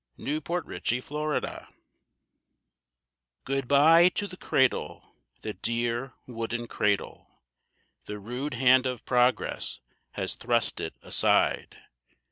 =The Old Wooden Cradle= Good bye to the cradle, the dear wooden cradle The rude hand of Progress has thrust it aside.